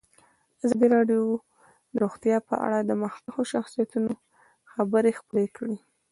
ازادي راډیو د روغتیا په اړه د مخکښو شخصیتونو خبرې خپرې کړي.